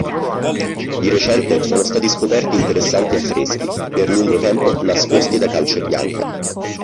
Di recente sono stati scoperti interessanti affreschi, per lungo tempo nascosti da calce bianca.